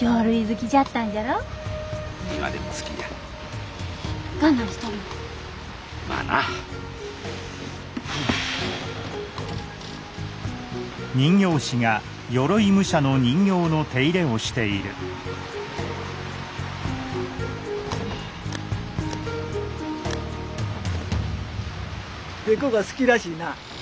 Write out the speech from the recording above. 木偶が好きらしいな。